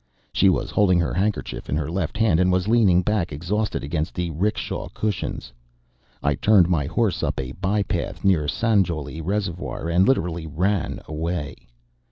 She was holding her handkerchief in her left hand and was leaning hack exhausted against the 'rickshaw cushions. I turned my horse up a bypath near the Sanjowlie Reservoir and literally ran away.